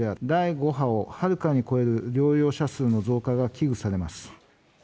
第５波をはるかに超える療養者数の増加が危惧されます。